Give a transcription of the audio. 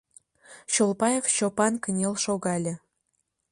Чолпаев Чопан кынел шогале.